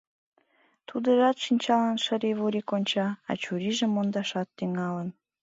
Тудыжат шинчалан шыри-вури конча, а чурийжым мондашат тӱҥалын.